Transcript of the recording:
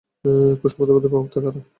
কোষ মতবাদের প্রবক্তা কারা?